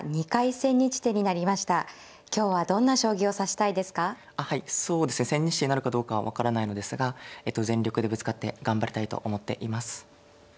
千日手になるかどうかは分からないのですが全力でぶつかって頑張りたいと思っています。